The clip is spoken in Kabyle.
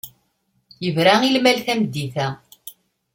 Yebra i lmal tameddit-a.